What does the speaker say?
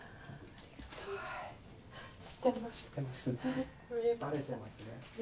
ありがとうございます。